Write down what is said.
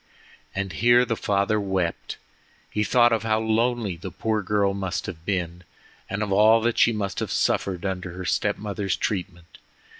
And here the father wept. He thought of how lonely the poor girl must have been, and of all that she must have suffered under her step mother's treatment.